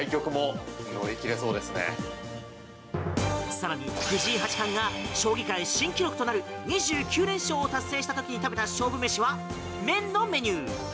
更に、藤井八冠が将棋界新記録となる２９連勝を達成した時に食べた勝負飯は、麺のメニュー。